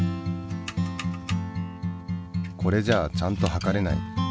これじゃあちゃんとはかれない。